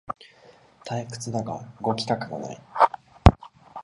退屈だが動きたくもない